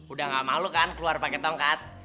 udah gak malu kan keluar pakai tongkat